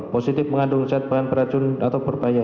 positif mengandung zat bahan beracun atau berbahaya